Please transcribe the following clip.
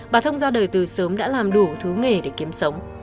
bà thông ra đời từ sớm đã làm đủ thứ nghề để kiếm sống